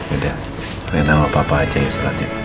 udah pengen sama papa aja ya sholat yuk